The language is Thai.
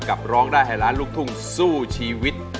ร้องได้ให้ล้านลูกทุ่งสู้ชีวิต